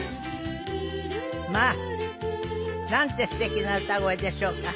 まあなんてすてきな歌声でしょうか。